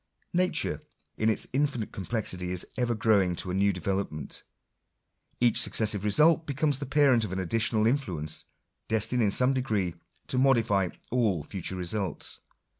/Nature in ; its infinite complexity is ever growing to a new development.! . Each successive result becomes the parent of an additional in fluence, destined in some degree to modify all future results.